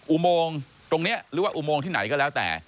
อุโมงตรงนี้หรือว่าอุโมงที่ไหนก็แล้วแต่